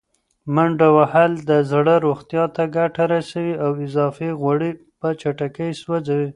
منډه وهل د زړه روغتیا ته ګټه رسوي او اضافي غوړي په چټکۍ سوځوي.